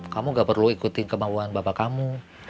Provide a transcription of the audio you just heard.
kamu gak perlu ikuti kemampuan bapak kamu